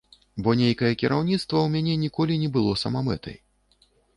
Бо нейкае кіраўніцтва ў мяне ніколі не было самамэтай.